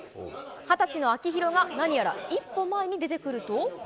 ２０歳の秋広が何やら一歩前に出てくると。